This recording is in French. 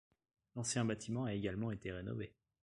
L'ancien bâtiment a également été rénové.